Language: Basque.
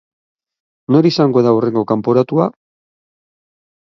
Nor izango da hurrengo kanporatua?